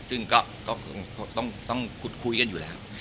ซึ่งก็คงต้องขุดคุยกันอยู่แล้ว